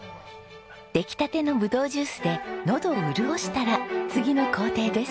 出来たてのブドウジュースでのどを潤したら次の工程です。